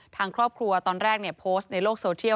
ทางครอบครัวตอนแรกโพสต์ในโลกโซเทียล